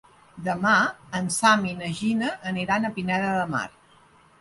Demà en Sam i na Gina aniran a Pineda de Mar.